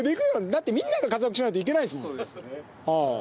だって、みんなが活躍しないといけないですもん。